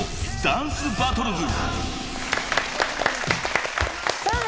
『ダンスバトルズ』皆さん